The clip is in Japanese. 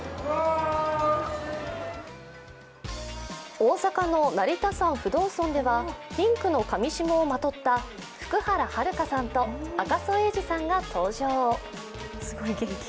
大阪の成田山不動尊ではピンクのかみしもをまとった福原遥さんと赤楚衛二さんが登場。